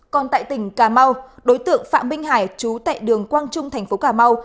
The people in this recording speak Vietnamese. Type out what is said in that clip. còn tại tỉnh cà mau đối tượng phạm minh hải trú tại đường quang trung tp cà mau